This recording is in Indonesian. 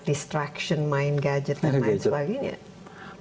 destruction main gadget dan lain sebagainya